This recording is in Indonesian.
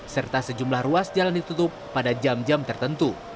serta sejumlah ruas jalan ditutup pada jam jam tertentu